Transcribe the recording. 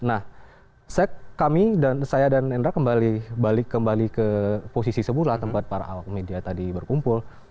nah kami dan saya dan endra kembali ke posisi sebelah tempat para awak media tadi berkumpul